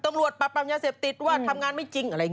อันนี้ก็เริ่มจากที่โดนเทเหมือนกัน